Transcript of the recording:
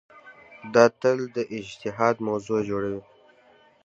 دا تل د اجتهاد موضوع جوړوي.